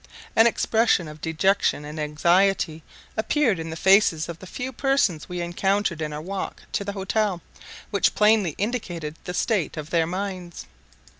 An expression of dejection and anxiety appeared in the faces of the few persons we encountered in our walk to the hotel, which plainly indicated the state of their minds.